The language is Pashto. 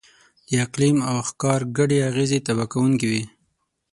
د اقلیم او ښکار ګډې اغېزې تباه کوونکې وې.